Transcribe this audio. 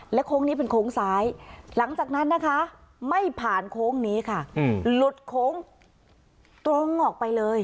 โค้งนี้เป็นโค้งซ้ายหลังจากนั้นนะคะไม่ผ่านโค้งนี้ค่ะหลุดโค้งตรงออกไปเลย